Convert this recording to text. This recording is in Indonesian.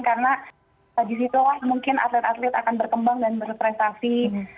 karena di situlah mungkin atlet atlet akan berkembang dan berprestasi